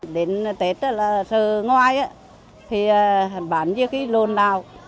đến tết là sơ ngoài thì bán như cái lồn đào